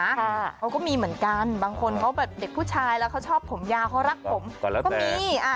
เขาก็มีเหมือนกันบางคนเขาแบบเด็กผู้ชายแล้วเขาชอบผมยาวเขารักผมก็มีอ่า